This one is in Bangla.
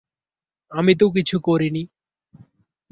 আমি তো কিছু করিনি!